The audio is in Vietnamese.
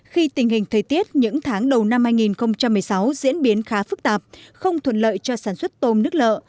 khi tình hình thời tiết những tháng đầu năm hai nghìn một mươi sáu diễn biến khá phức tạp không thuận lợi cho sản xuất tôm nước lợ